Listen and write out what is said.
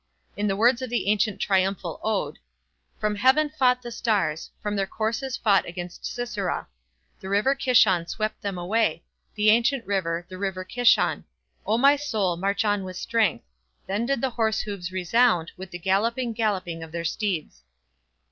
In the words of the ancient triumphal ode: From heaven fought the stars, From their courses fought against Sisera. The river Kishon swept them away, The ancient river, the river Kishon. O my soul, march on with strength! Then did the horse hoofs resound With the galloping, galloping of their steeds.